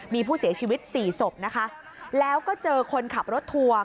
มีผู้เสียชีวิตสี่ศพนะคะแล้วก็เจอคนขับรถทัวร์